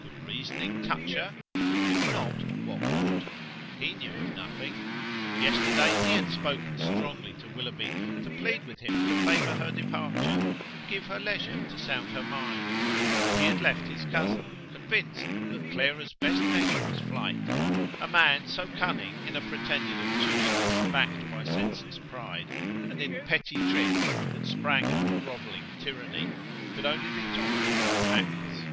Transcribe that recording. Could reasoning touch her? if not, what would? He knew of nothing. Yesterday he had spoken strongly to Willoughby, to plead with him to favour her departure and give her leisure to sound her mind, and he had left his cousin, convinced that Clara's best measure was flight: a man so cunning in a pretended obtuseness backed by senseless pride, and in petty tricks that sprang of a grovelling tyranny, could only be taught by facts.